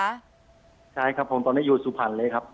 ใช่ครับผมตอนนี้อยู่สุพรรณเลยครับ